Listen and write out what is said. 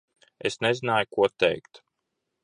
Es nezināju, ko teikt.